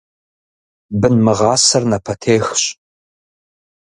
Бын мыгъасэр напэтехщ.